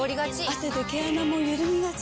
汗で毛穴もゆるみがち。